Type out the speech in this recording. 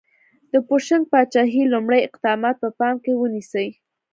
د بوشنګ پاچاهۍ لومړي اقدامات په پام کې ونیسئ.